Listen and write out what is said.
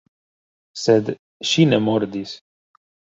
Sed ŝi ne mordis.